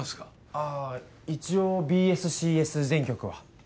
あぁ一応ＢＳＣＳ全局は。